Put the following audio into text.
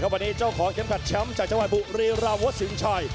วันนี้เจ้าของเก็มขัดแชมป์จักรวรีลาวสินชัย